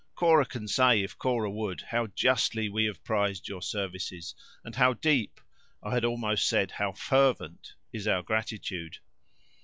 Cora can say, if Cora would, how justly we have prized your services, and how deep—I had almost said, how fervent—is our gratitude."